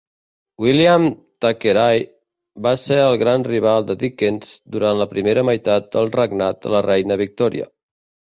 William Thackeray va ser el gran rival de Dickens durant la primera meitat del regnat de la reina Victòria.